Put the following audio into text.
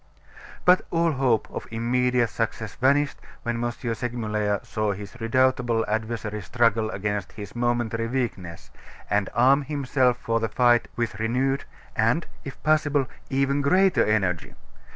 But all hope of immediate success vanished when M. Segmuller saw his redoubtable adversary struggle against his momentary weakness, and arm himself for the fight with renewed, and, if possible, even greater energy.